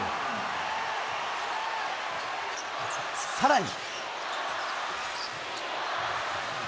さらに。